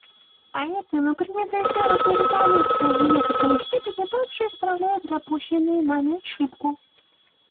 Поэтому принятая сегодня резолюция в некоторой степени также исправляет допущенную нами ошибку.